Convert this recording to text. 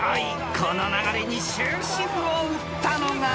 ［この流れに終止符を打ったのが］